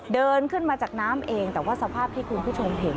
เดินขึ้นมาจากน้ำเองแต่ว่าสภาพที่คุณผู้ชมเห็น